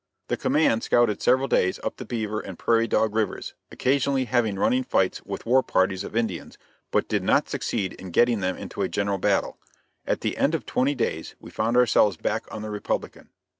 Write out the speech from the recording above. The command scouted several days up the Beaver and Prairie Dog rivers, occasionally having running fights with war parties of Indians, but did not succeed in getting them into a general battle. At the end of twenty days we found ourselves back on the Republican.